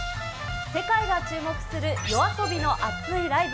世界が注目するＹＯＡＳＯＢＩの熱いライブ。